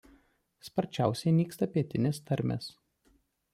Sparčiausiai nyksta pietinės tarmės.